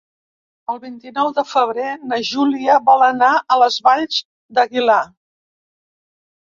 El vint-i-nou de febrer na Júlia vol anar a les Valls d'Aguilar.